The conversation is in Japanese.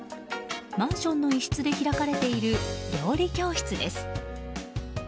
マンションの一室で開かれている料理教室です。